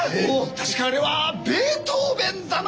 確かあれはベートーベンだな！